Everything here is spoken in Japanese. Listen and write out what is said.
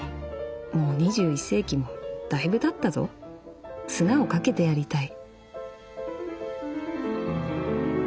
もう２１世紀もだいぶ経ったぞ砂をかけてやりたい」。